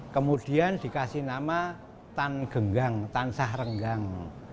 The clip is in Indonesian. kemudian dikasih nama tan genggang tan sahrenggang